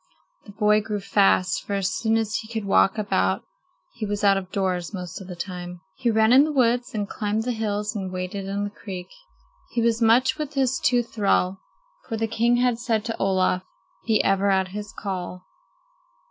The boy grew fast, for as soon as he could walk about he was out of doors most of the time. He ran in the woods and climbed the hills and waded in the creek. He was much with his tooth thrall, for the king had said to Olaf: "Be ever at his call."